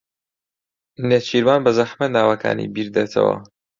نێچیروان بەزەحمەت ناوەکانی بیردێتەوە.